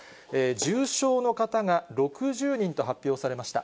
重症の方が６０人と発表されました。